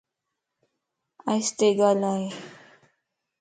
آستي ڳالائي